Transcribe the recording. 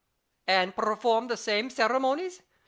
And perform the same ceremonies